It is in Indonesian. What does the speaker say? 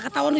kan ada aku